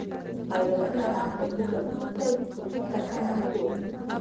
خیراتونه هم په پور او سود کوي، خو چاته کمه نه وایي.